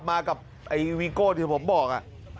มากับไอ้วีโก้ที่ผมบอก